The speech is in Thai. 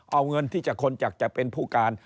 เอาเงินที่คนอยากจะเป็นผู้การ